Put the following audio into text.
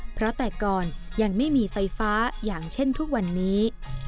เพราะแต่ก่อนยังไม่มีไฟฟ้าอย่างเช่นทุกวันนี้